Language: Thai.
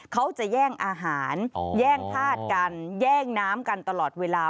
เขาจะแย่งอาหารแย่งธาตุกันแย่งน้ำกันตลอดเวลา